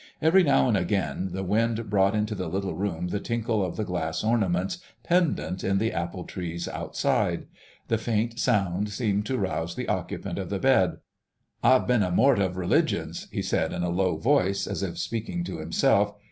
Every now and again the wind brought into the little room the tinkle of the glass ornaments pendent in the apple trees outside: the faint sound seemed to rouse the occupant of the bed. "I've seen a mort of religions," he said in a low voice, as if speaking to himself.